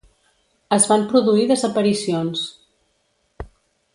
Es van produir desaparicions.